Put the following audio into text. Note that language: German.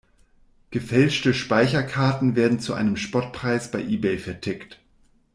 Gefälschte Speicherkarten werden zu einem Spottpreis bei Ebay vertickt.